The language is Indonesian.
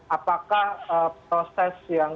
apakah proses yang